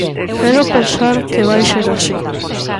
Quero pensar que vai ser así.